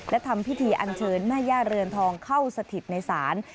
และทำพิธีอันเชิญแม่ย่าเรือนทองเข้าสถิตในศาล